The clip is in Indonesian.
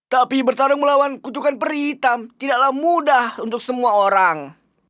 tapi bertarung melawan kutukan peri hitam tidaklah mudah untuk semua orang